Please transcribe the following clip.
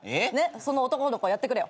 その男の子やってくれよ。